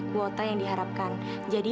kuota yang diharapkan jadi